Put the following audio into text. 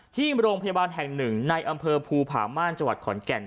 ที่โรงพยาบาลแห่ง๑ในอำเภอภูผาม่านจขอนแก่น